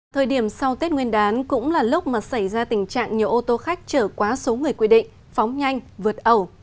thời điểm sau tết nguyên đán cũng là lúc mà xảy ra tình trạng nhiều ô tô khách trở quá số người quy định phóng nhanh vượt ẩu